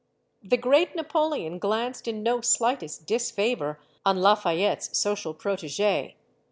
The great Napoleon glanced in no slightest disfavor on Lafayette's social protegee.